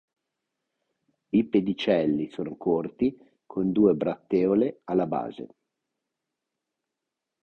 I pedicelli sono corti con due bratteole alla base.